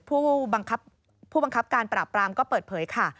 ผู้บังคับการปราบปรามก็เปิดเผยค่ะ